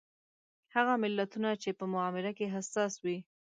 هغه ملتونه چې په معامله کې حساس وي.